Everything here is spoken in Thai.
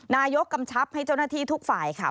นายกกำชับให้เจ้าหน้าที่ทุกฝ่ายค่ะ